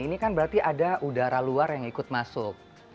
ini kan berarti ada udara luar yang ikut masuk